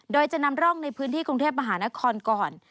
โดยจะนำร่องในพื้นที่กรุงเทพมหานครก่อน